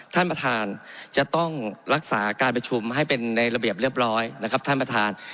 ท่านประธานจะต้องรักษาการประชุมให้เป็นในระเบียบเรียบร้อยนะครับท่านประธาน